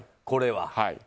これは。